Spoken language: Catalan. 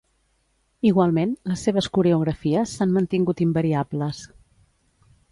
Igualment, les seves coreografies s'han mantingut invariables.